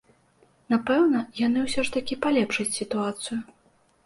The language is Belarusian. Напэўна, яны ўсё ж такі палепшаць сітуацыю.